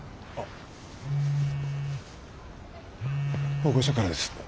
保護者からです。